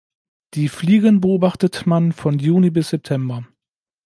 Die Fliegen beobachtet man von Juni bis September.